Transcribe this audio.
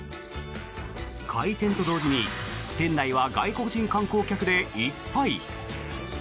開店と同時に店内は外国人観光客でいっぱい。